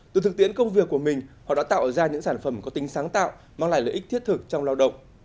từ thực tiễn công việc của mình họ đã tạo ra những sản phẩm có tính sáng tạo mang lại lợi ích thiết thực trong lao động